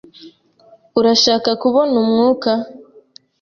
Urashaka kubona umwuka?